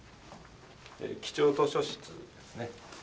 貴重図書室ですね。